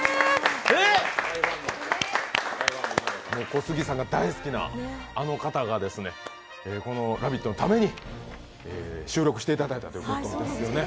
小杉さんが大好きなあの方が、この「ラヴィット！」のために収録していただいたということなんですよね。